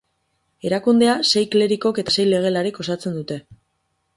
Erakundea sei klerikok eta sei legelarik osatzen dute.